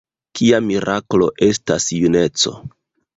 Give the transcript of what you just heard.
Kia miraklo estas juneco?